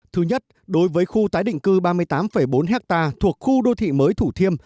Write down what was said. thứ nhất đối với khu tái định cư ba mươi tám bốn hectare thuộc khu đô thị mới thủ thiêm